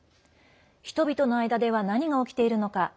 人々の間では何が起きているのか。